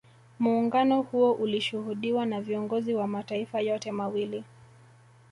Muungano huo ulishuhudiwa na viongozi wa mataifa yote mawili